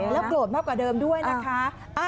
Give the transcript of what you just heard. โกรธมากกว่าเดิมด้วยนะคะ